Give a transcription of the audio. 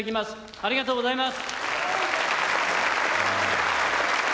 ありがとうございます。